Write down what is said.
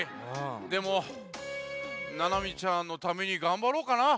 でもななみちゃんのためにがんばろうかな。